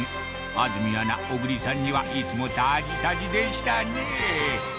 安住アナ小栗さんにはいつもタジタジでしたね